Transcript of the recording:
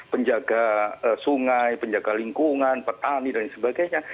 penjaga sungai penjaga lingkungan petani dan sebagainya